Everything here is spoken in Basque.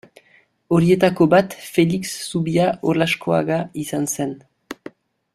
Horietako bat Felix Zubia Olaskoaga izan zen.